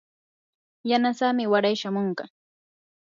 yanasamii waray chamunqa.